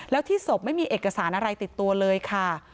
แล้วที่ศพไม่มีเอกสารอะไรติดตัวเลยค่ะ